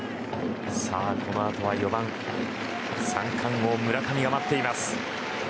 このあとは４番三冠王、村上が待っています。